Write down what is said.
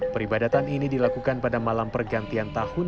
peribadatan ini dilakukan pada malam pergantian tahun